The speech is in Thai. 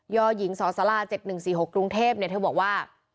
ยอหญิงสสลา๗๑๔๖กรุงเทพฯเนี่ยเธอบอกว่า